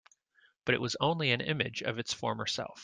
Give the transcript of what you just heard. But it was only an image of its former self.